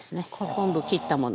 昆布を切ったもの。